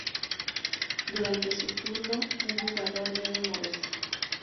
Durante su turno, un jugador debe moverse.